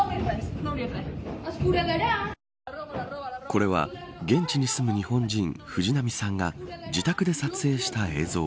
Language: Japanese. これは現地に住む日本人藤波さんが自宅で撮影した映像。